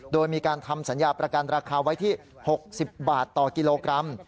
โดยมีการทำสัญญาประกันราคาไว้ที่๖๐บาทต่อกิโลกรัม